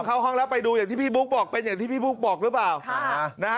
เข้าห้องแล้วไปดูอย่างที่พี่บุ๊คบอกเป็นอย่างที่พี่บุ๊คบอกหรือเปล่านะฮะ